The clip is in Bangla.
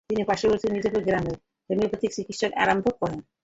তিনি পার্শ্ববর্তী মির্জাপুর গ্রামে হোমিওপ্যাথি চিকিৎসা আরম্ভ করেন।